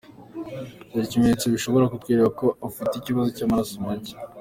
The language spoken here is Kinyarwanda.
Dore ibimenyetso bishobora kukwereka ko ufite ikibazo cy’amaraso make.